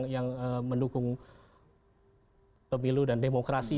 yang mendukung pemilu dan demokrasi